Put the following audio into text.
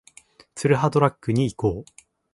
ツルハドラッグに行こう